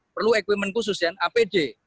perlu equipment khusus dan apd